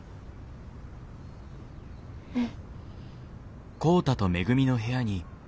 うん。